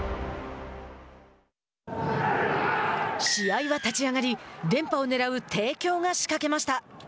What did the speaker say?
試合は立ち上がり連覇をねらう帝京が仕掛けました。